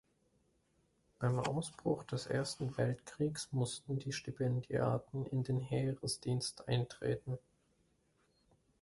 Beim Ausbruch des Ersten Weltkriegs mussten die Stipendiaten in den Heeresdienst eintreten.